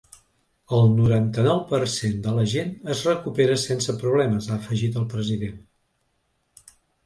El noranta-nou per cent de la gent es recupera sense problemes, ha afegit el president.